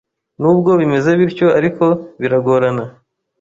N’ubwo bimeze bityo ariko biragorana